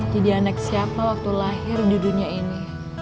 jadi anak siapa waktu lahir di dunia ini